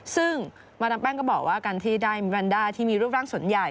ซึ่งมาดามแป้งก็บอกว่าการที่ได้มิรันดาที่มีรูปร่างส่วนใหญ่